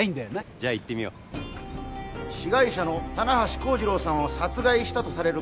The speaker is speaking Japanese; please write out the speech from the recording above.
じゃいってみよう被害者の棚橋幸次郎さんを殺害したとされる